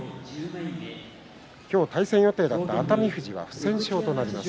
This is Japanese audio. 今日、対戦予定だった熱海富士は不戦勝となります。